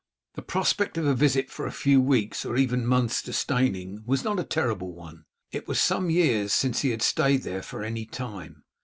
The prospect of a visit for a few weeks or even months to Steyning was not a terrible one. It was some years since he had stayed there for any time.